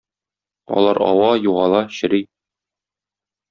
Алар ава, югала, чери.